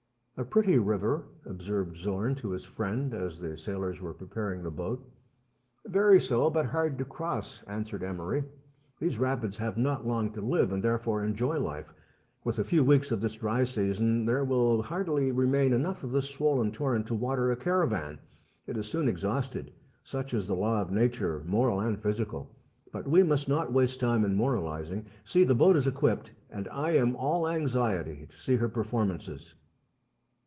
"A pretty river," observed Zorn to his friend, as the sailors were preparing the boat. " Very so, but hard to cross," answered Emery. " These rapids have not long to live, and therefore enjoy life. With a few weeks of this dry season there will hardly remain enough of this swollen torrent to water a caravan. It is soon exhausted ; such is the law of nature, moral and physical. But we must not waste time in moralizing. See, the boat is equipped, and I am all anxiety to see her per formances."